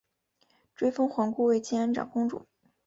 追封皇姑为建安长公主。